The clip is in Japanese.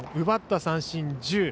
奪った三振１０。